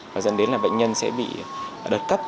và dẫn đến là bệnh nhân sẽ bị đợt cấp